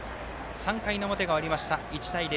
３回の表が終わりました、１対０。